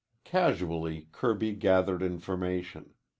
Casually Kirby gathered information.